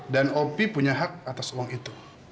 dan opi punya hak atas uang itu